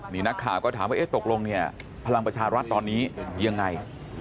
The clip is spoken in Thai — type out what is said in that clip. นี่นักข่าวก็ถามว่าเอ๊ะตกลงเนี่ยพลังประชารัฐตอนนี้ยังไง